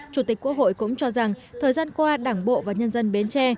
chủ tịch quốc hội cũng cho rằng thời gian qua đảng bộ và nhân dân bến tre